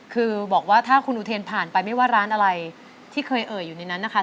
คือบอกว่าถ้าคุณอุเทนผ่านไปไม่ว่าร้านอะไรที่เคยเอ่ยอยู่ในนั้นนะคะ